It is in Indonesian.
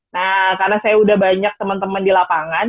nah karena saya udah banyak teman teman di lapangan